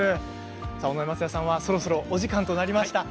尾上松也さんはそろそろお時間となります。